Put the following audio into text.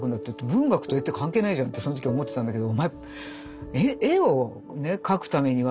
文学と絵って関係ないじゃんってその時思ってたんだけど。